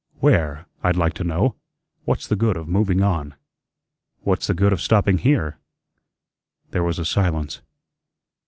"WHERE, I'd like to know? What's the good of moving on?" "What's the good of stopping here?" There was a silence.